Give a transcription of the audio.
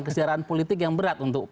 kesejarahan politik yang berat untuk